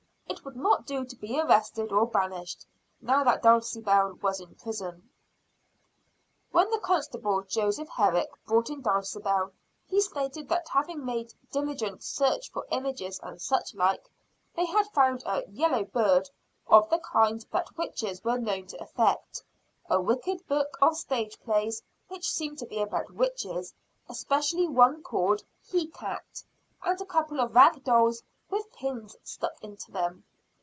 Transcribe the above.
It would not do to be arrested or banished, now that Dulcibel was in prison. When the constable, Joseph Herrick, brought in Dulcibel, he stated that having made "diligent search for images and such like," they had found a "yellow bird," of the kind that witches were known to affect; a wicked book of stage plays, which seemed to be about witches, especially one called "he cat"; and a couple of rag dolls with pins stuck into them.